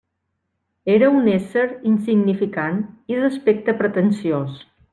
Era un ésser insignificant i d'aspecte pretensiós.